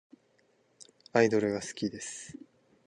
アイドルが好きです。